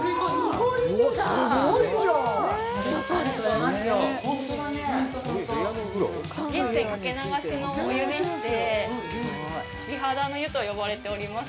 ほんとだね源泉掛け流しのお湯でして美肌の湯と呼ばれております